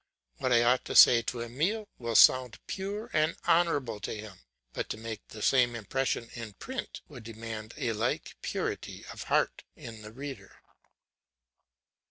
What I ought to say to Emile will sound pure and honourable to him; but to make the same impression in print would demand a like purity of heart in the reader.